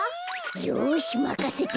よしまかせて。